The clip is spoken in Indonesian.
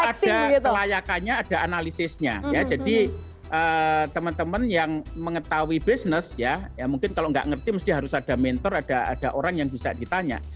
ada kelayakannya ada analisisnya ya jadi teman teman yang mengetahui bisnis ya mungkin kalau nggak ngerti mesti harus ada mentor ada orang yang bisa ditanya